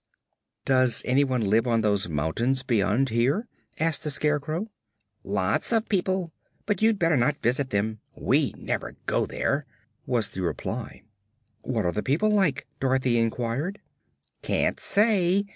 "Does anyone live on those mountains beyond here?" asked the Scarecrow. "Lots of people. But you'd better not visit them. We never go there," was the reply. "What are the people like?" Dorothy inquired. "Can't say.